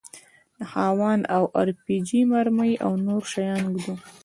د هاوان او ار پي جي مرمۍ او نور شيان ږدو.